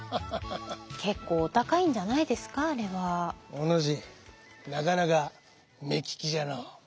お主なかなか目利きじゃのう。